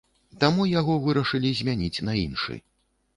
Таму яго вырашылі замяніць на іншы.